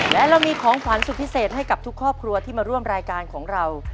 และเรามีของขวัญสุดพิเศษให้กับทุกครอบครัวที่มาร่วมรายการของเรา